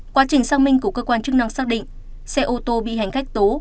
quá trình xác minh của cơ quan chức năng xác định xe ô tô bị hành khách tố